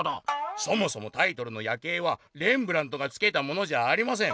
「そもそもタイトルの『夜警』はレンブラントがつけたものじゃありません！」。